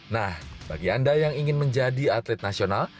nah bagi anda yang ingin menjadi atlet nasional